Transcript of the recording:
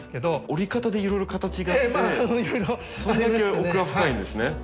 折り方でいろいろ形があってそれだけ奥が深いんですね。